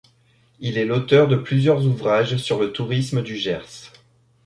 Il est l'auteur de plusieurs ouvrages sur le tourisme du Gers.